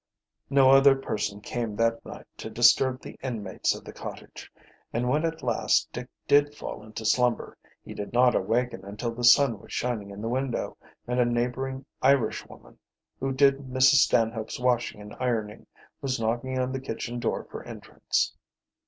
No other person came that night to disturb the inmates of the cottage, and when at last Dick did fall into slumber he did not awaken until the sun was shining in the window and a neighboring Irish woman, who did Mrs. Stanhope's washing and ironing, was knocking on the kitchen door for entrance.